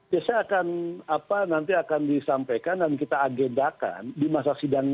saya akan nanti akan disampaikan dan kita agendakan di masa sidang ini